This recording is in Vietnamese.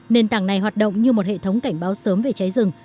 nền tảng này hoạt động như một hệ thống cảnh báo sớm về cháy rừng